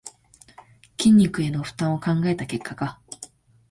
筋肉への負担を考えた結果か